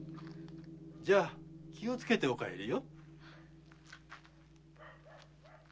じゃ気をつけてお帰りよ。